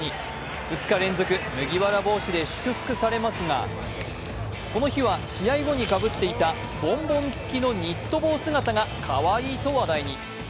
２日連続、麦わら帽子で祝福されますがこの日は試合後にかぶっていたボンボン付きのニット帽姿がかわいいと話題に。